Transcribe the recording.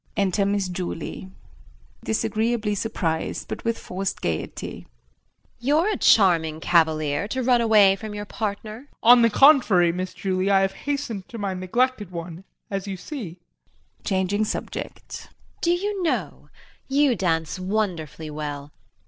[Enter Miss Julie.] JULIE [Disagreeably surprised, but with forced gaiety]. You're a charming cavalier to run away from your partner. JEAN. On the contrary, Miss Julie, I have hastened to my neglected one as you see. JULIE [Changing subject]. Do you know, you dance wonderfully well!